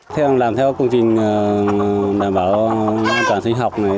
theo anh làm theo công trình đảm bảo an toàn sinh học này